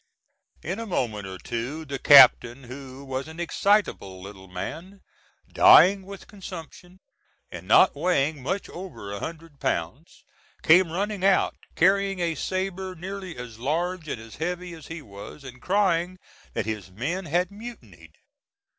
In a moment or two the captain, who was an excitable little man, dying with consumption, and not weighing much over a hundred pounds, came running out, carrying a sabre nearly as large and as heavy as he was, and crying, that his men had mutinied.